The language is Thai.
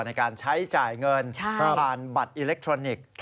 ในการใช้จ่ายเงินผ่านบัตรอิเล็กทรอนิกส์